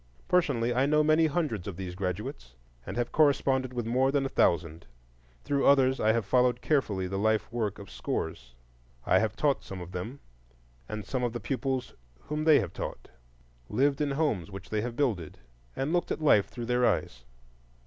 Personally I know many hundreds of these graduates, and have corresponded with more than a thousand; through others I have followed carefully the life work of scores; I have taught some of them and some of the pupils whom they have taught, lived in homes which they have builded, and looked at life through their eyes.